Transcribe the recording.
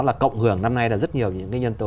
là cộng hưởng năm nay là rất nhiều những cái nhân tố